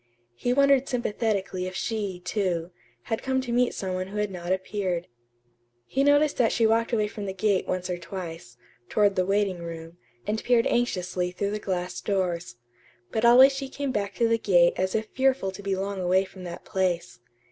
He wondered sympathetically if she, too, had come to meet some one who had not appeared. He noticed that she walked away from the gate once or twice, toward the waiting room, and peered anxiously through the glass doors; but always she came back to the gate as if fearful to be long away from that place.